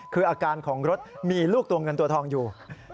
คืออาการของรถมีลูกตัวเงินตัวทองอยู่